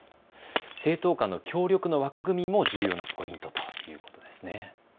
政党間の協力の枠組みも重要なポイントということですね。